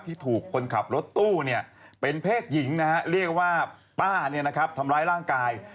ที่ถูกคนขับรถตู้เนี่ยเป็นเพศหญิงนะฮะเรียกว่าป้าเนี่ยนะครับทำร้ายร่างกาย